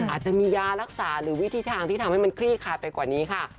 อาจจะมียารักษาหรือวิธีทางที่ทำให้มันคลี่คลายไปกว่านี้ค่ะ